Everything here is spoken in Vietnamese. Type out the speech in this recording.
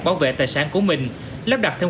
bảo vệ tài sản của mình lắp đặt thêm